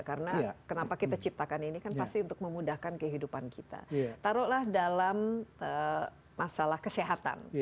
karena kenapa kita ciptakan ini kan pasti untuk memudahkan kehidupan kita taruhlah dalam masalah kesehatan